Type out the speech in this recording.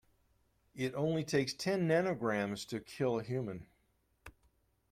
It only takes ten nanograms to kill a human.